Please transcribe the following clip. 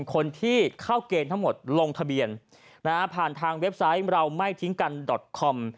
คนที่เข้าเกณฑ์ทั้งหมดลงทะเบียนผ่านทางเว็บไซต์เราไม่ทิ้งกันดอตคอม